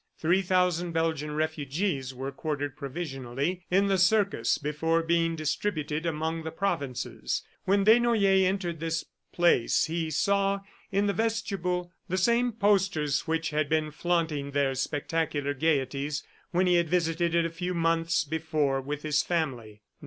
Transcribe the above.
Three thousand Belgian refugees were quartered provisionally in the circus before being distributed among the provinces. When Desnoyers entered this place, he saw in the vestibule the same posters which had been flaunting their spectacular gayeties when he had visited it a few months before with his family.